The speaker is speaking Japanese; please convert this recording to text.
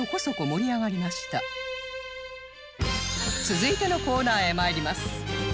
続いてのコーナーへまいります